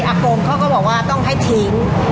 อากงเขาก็บอกว่าต้องให้ทิ้ง